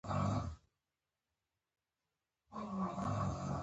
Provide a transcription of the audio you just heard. دا ټولې پیښې کیمیاوي تعاملونه دي.